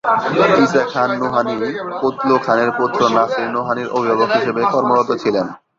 ঈসা খান নুহানী কুতলুখানের পুত্র নাসির নুহানীর অভিভাবক হিসেবে কর্মরত ছিলেন।